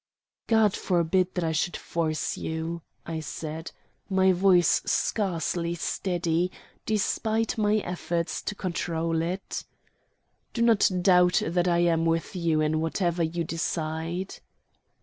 "God forbid that I should force you," I said, my voice scarcely steady, despite my efforts to control it. "Do not doubt that I am with you in whatever you decide."